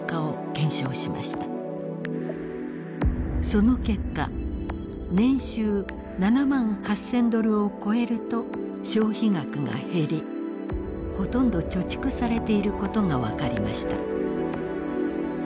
その結果年収７万８，０００ドルを超えると消費額が減りほとんど貯蓄されていることが分かりました。